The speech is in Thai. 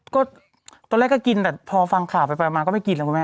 ก็ตอนแรกก็กินแต่พอฟังข่าวไปมาก็ไม่กินแล้วคุณแม่